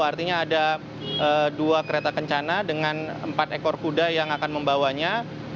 artinya ada dua kereta kencana dengan empat ekor kuda yang akan membawanya